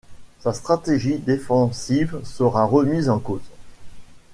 Sa stratégie défensive sera remise en cause.